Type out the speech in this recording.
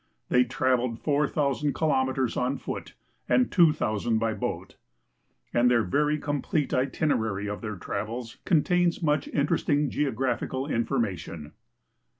They traveled 4,000 kilometers on foot and L',000 by boat, and their very com|»lete itinerary of their travels contains much interesting geographical information.